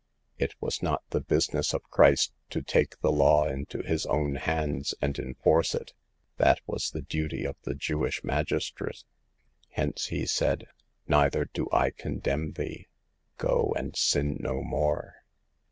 It was not the business of Christ to take the law into His own hands and enforce it ; that was the duty of the Jewish magistrate ; hence he said :" Neither do I condemn thee ; go and sin no more."